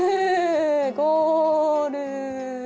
ゴール。